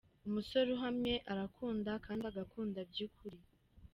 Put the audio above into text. Umusore uhamye arakunda kandi agakunda by’ukuri.